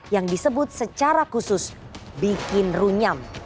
yang disebut secara khusus bikin runyam